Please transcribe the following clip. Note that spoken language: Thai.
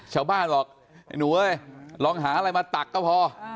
ชาวบ้านบอกไอ้หนูเอ้ยลองหาอะไรมาตักก็พอ